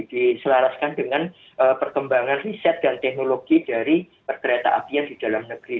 diselaraskan dengan perkembangan riset dan teknologi dari perkereta apian di dalam negeri